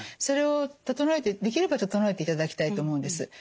それをできれば整えていただきたいと思うんです。